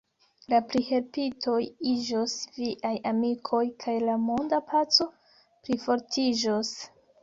La prihelpitoj iĝos viaj amikoj kaj la monda paco plifortiĝos.